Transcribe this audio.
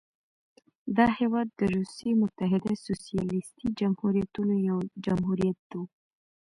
دا هېواد د روسیې متحده سوسیالیستي جمهوریتونو یو جمهوریت و.